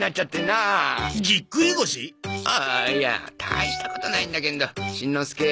ああいや大したことないんだけんどしんのすけ